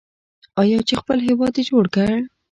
آیا چې خپل هیواد یې جوړ کړ؟